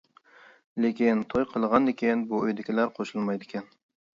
لېكىن توي قىلغاندىكىن بۇ ئۆيدىكىلەر قوشۇلمايدىكەن.